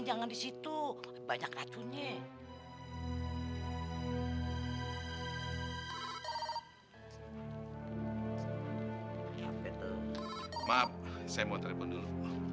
maaf saya mau telepon dulu